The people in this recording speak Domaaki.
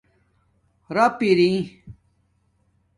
رپ اری